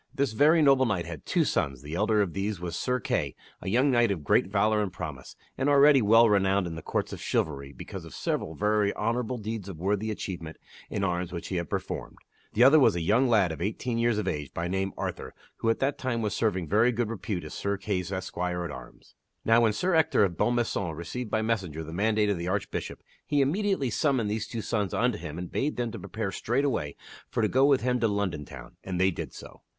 This very noble knight had two sons ; the elder of these was Sir Kay, a young knight of great valor and promise, and already well renowned in the Courts of Chivalry because of several very honorable deeds of worthy achievement in arms which he had performed ; the other io THE WINNING OF KING HOOD was a young lad of eighteen years of age, by name Arthur, who at that time was serving with good repute as Sir Kay's esquire at arms. Now when Sir Ector of Bonmaison received by messenger the mandate of the Archbishop, he immediately summoned these two sons unto him and bade them to prepare straightway for to go with him to London Town, and they did so.